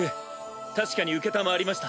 確かに承りました。